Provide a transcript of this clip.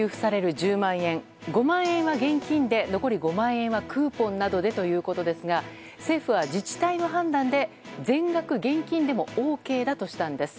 １０万円５万円は現金で残り５万円はクーポンなどでということですが政府は自治体の判断で全額現金でもＯＫとしたんです。